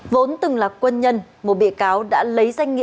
vốn từng là quân nhân một bị cáo đã lấy danh nghĩa